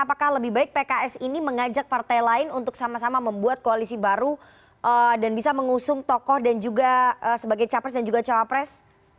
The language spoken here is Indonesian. apakah lebih baik pks ini mengajak partai lain untuk sama sama membuat koalisi baru dan bisa mengusung tokoh dan juga sebagai capres dan juga cawapres